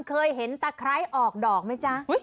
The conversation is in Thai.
เคยเห็นตะไคร้ออกดอกไหมจ๊ะ